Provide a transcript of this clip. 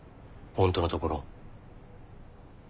本当のところ。